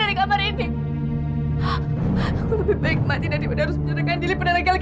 apakah kamu berpikir ini tetap padahal durum di dalam jalan